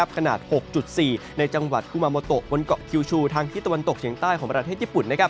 ขนาด๖๔ในจังหวัดกุมาโมโตบนเกาะคิวชูทางที่ตะวันตกเฉียงใต้ของประเทศญี่ปุ่น